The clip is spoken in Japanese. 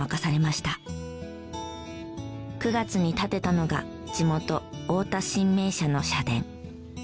９月に建てたのが地元太田神明社の社殿。